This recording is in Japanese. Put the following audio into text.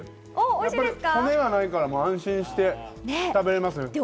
やっぱり骨がないから安心して食べれますね。